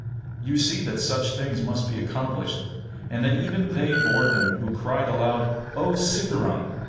You see that such things must be accomplished; and that even they bore them who cried aloud, O Cithaeron!